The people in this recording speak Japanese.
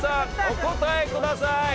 お答えください。